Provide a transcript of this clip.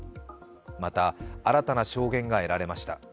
また新たな証言が得られました。